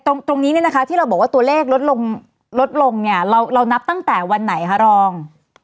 ตรงนี้เนี่ยนะคะที่เราบอกว่าตัวเลขลดลงลดลงเนี่ยเรานับตั้งแต่วันไหนคะรอง